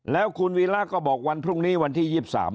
แล้วคุณวีระก็บอกวันพรุ่งนี้วันที่๒๓